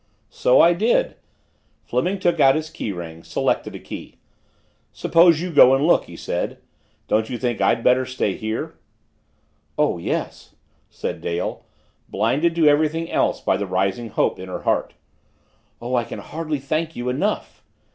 "So I did." Fleming took out his key ring, selected a key. "Suppose you go and look," he said. "Don't you think I'd better stay here?" "Oh, yes " said Dale, blinded to everything else by the rising hope in her heart. "Oh, I can hardly thank you enough!"